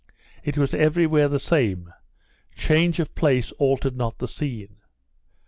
It was everywhere the same; change of place altered not the scene.